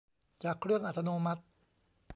จากเครื่องอัตโนมัติ